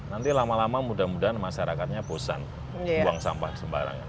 nanti lama lama mudah mudahan masyarakatnya bosan buang sampah sembarangan